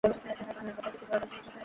আর তোমার খুশি ডাবল করে দিবে।